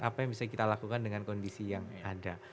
apa yang bisa kita lakukan dengan kondisi yang ada